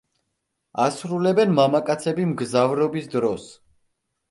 ასრულებენ მამაკაცები მგზავრობის დროს.